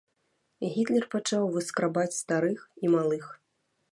Гітлер пачаў выскрабаць старых і малых.